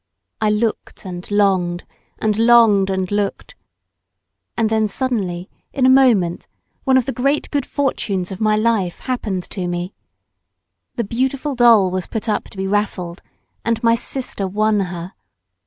I looked and longed, and longed and looked, and then suddenly in a moment one of the great good fortunes of my life happened to me. The beautiful doll was put up to be raffled, and my sister won her.